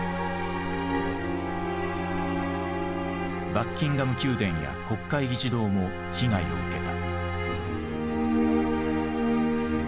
バッキンガム宮殿や国会議事堂も被害を受けた。